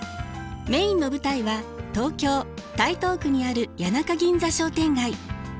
メインの舞台は東京・台東区にある谷中銀座商店街。